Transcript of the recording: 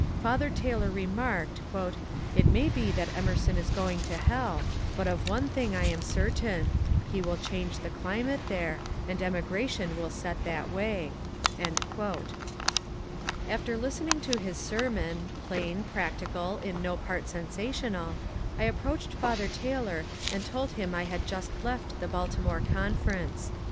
Father Taylor remarked, It may be that Emerson is going to hell, but of one thing I am certain : he will change the climate there, and emigration will set that way." After listening to his sermon, — plain, practical, in no part sensational, — I approached Father Taylor and told him I had just left the Baltimore Conference.